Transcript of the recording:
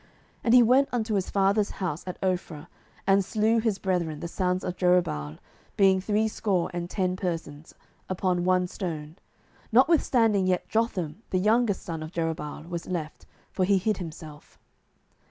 07:009:005 And he went unto his father's house at Ophrah, and slew his brethren the sons of Jerubbaal, being threescore and ten persons, upon one stone: notwithstanding yet Jotham the youngest son of Jerubbaal was left; for he hid himself.